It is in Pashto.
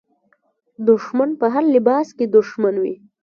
دښمن په هر لباس کې دښمن وي.